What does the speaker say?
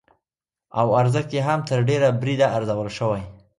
او ارزښت يې هم تر ډېره بريده ارزول شوى،